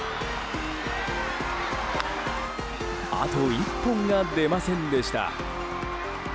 あと１本が出ませんでした。